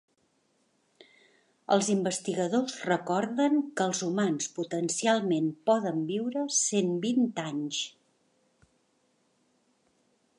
Els investigadors recorden que els humans potencialment poden viure cent vint anys.